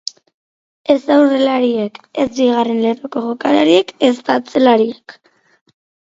Ez aurrelariek, ez bigarren lerroko jokalariek ezta atzelariek.